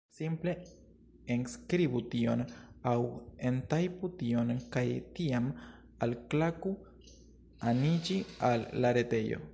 Simple enskribu tion aŭ entajpu tion kaj tiam alklaku aniĝi al la retejo